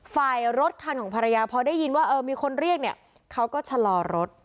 ฝ่ายรถคันของภรรยาพอได้ยินว่าเออมีคนเรียกเนี่ยเขาก็ชะลอรถ